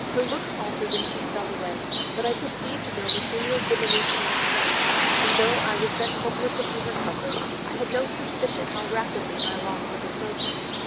Her looks altered and she fell away, but I perceived no material diminution of strength, and, though I was then hopeless of her recovery, I had no suspicion how rapidly my loss was approaching.